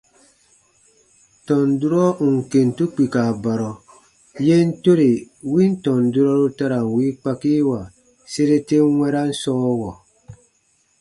Tɔn durɔ ù n kentu kpika barɔ, yen tore win tɔn durɔru ta ra n wii kpakiiwa sere ten wɛ̃ran sɔɔwɔ.